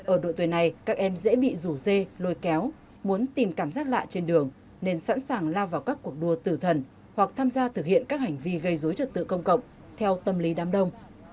ở đội tuyển này các em dễ bị rủ dê lôi kéo muốn tìm cảm giác lạ trên đường nên sẵn sàng lao vào các cuộc đua tử thần hoặc tham gia thực hiện các hành vi gây dối trật tự công cộng theo tâm lý đám đông